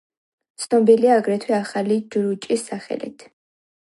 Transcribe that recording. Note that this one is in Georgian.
ცნობილია აგრეთვე ახალი ჯრუჭის სახელით.